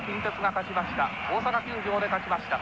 大阪球場で勝ちました。